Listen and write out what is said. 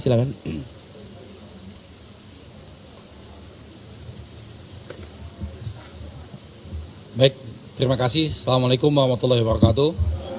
assalamu alaikum warahmatullahi wabarakatuh